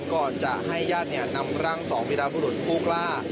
และก็จะให้ญาติเนี่ยนำร่างสองวิทัพพุทธภูกล่า